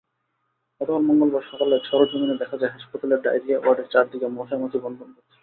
গতকাল মঙ্গলবার সকালে সরেজমিনে দেখা যায়, হাসপাতালের ডায়রিয়া ওয়ার্ডের চারদিকে মশা-মাছি ভনভন করছে।